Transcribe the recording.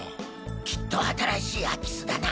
きっと新しい空き巣だな。